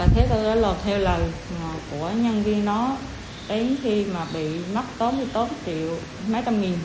thế tôi đã lọt theo lời của nhân viên đó đến khi mà bị mắc tốn thì tốn một triệu mấy trăm nghìn